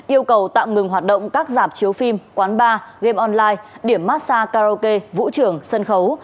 yêu cầu tạm ngừng hoạt động các giảm chiếu phim quán bar game online điểm massage karaoke vũ trường sân khấu